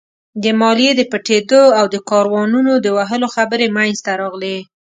د ماليې د پټېدو او د کاروانونو د وهلو خبرې مينځته راغلې.